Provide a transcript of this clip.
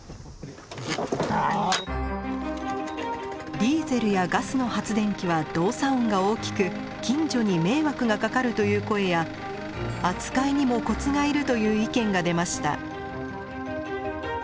ディーゼルやガスの発電機は動作音が大きく近所に迷惑がかかるという声や扱いにもコツがいるという意見が出ました。